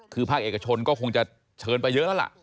คือภาคเอกชนก็คงจะเชิญไปเยอะแล้วล่ะ